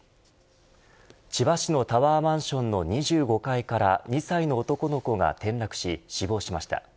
千葉市のタワーマンションの２５階から２歳の男の子が転落し死亡しました。